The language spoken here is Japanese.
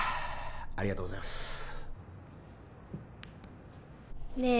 ありがとうございますねえ